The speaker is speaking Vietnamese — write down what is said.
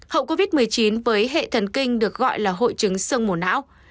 hậu covid một mươi chín với hệ thần kinh được gọi là hội chứng sơn mồ não